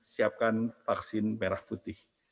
siapkan vaksin merah putih